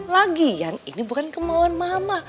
lagian ini bukan kemauan mama